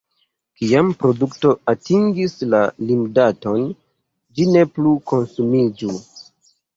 Kiam produkto atingis la limdaton, ĝi ne plu konsumiĝu.